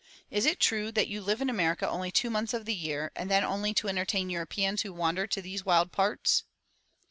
" Is it true that you live in America only two months of the year and then only to entertain Europeans who wander to these wild parts?"